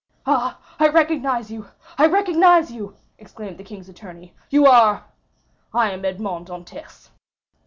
"Ah, I recognize you—I recognize you!" exclaimed the king's attorney; "you are——" "I am Edmond Dantès!"